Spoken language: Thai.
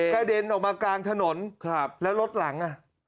กระเด็นออกมากลางถนนแล้วรถหลัง